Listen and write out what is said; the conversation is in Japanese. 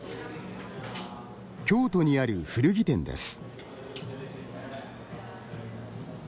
京都にある古着店です。